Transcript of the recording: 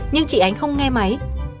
nhưng chị ánh không nghe máy